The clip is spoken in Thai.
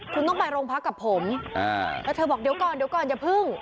คุณต้องไปโรงพักกับผมแล้วเธอบอกเดี๋ยวก่อนเดี๋ยวก่อนอย่าพึ่ง